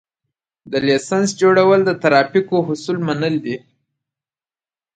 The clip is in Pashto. د لېسنس جوړول د ترافیکو اصول منل دي